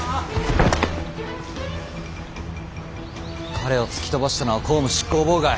彼を突き飛ばしたのは公務執行妨害。